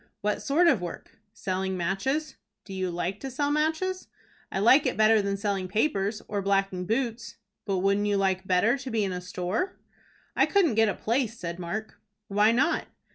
"What sort of work?" "Selling matches." "Do you like to sell matches?" "I like it better than selling papers, or blacking boots." "But wouldn't you like better to be in a store?" "I couldn't get a place," said Mark. "Why not?"